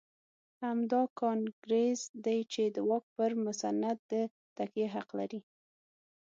همدا کانګرېس دی چې د واک پر مسند د تکیې حق لري.